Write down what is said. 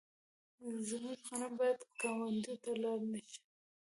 زموږ غنم باید ګاونډیو ته لاړ نشي.